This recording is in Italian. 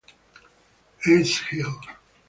S. Hill.